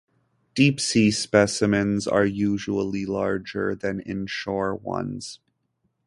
Deep sea specimens are usually larger than inshore ones.